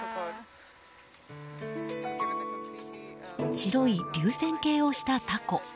白い流線形をしたタコ。